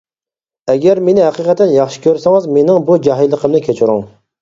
ئەگەر مېنى ھەقىقەتەن ياخشى كۆرسىڭىز مېنىڭ بۇ جاھىللىقىمنى كەچۈرۈڭ.